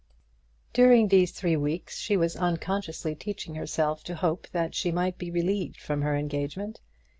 During these three weeks she was unconsciously teaching herself to hope that she might be relieved from her engagement.